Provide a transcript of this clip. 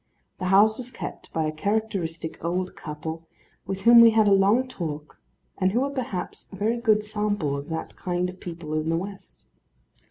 The house was kept by a characteristic old couple, with whom we had a long talk, and who were perhaps a very good sample of that kind of people in the West.